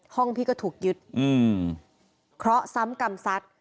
พี่ก็ถูกยึดอืมเคราะห์ซ้ำกรรมสัตว์